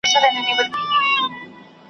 پرون چي مي خوبونه وه لیدلي ریشتیا کیږي `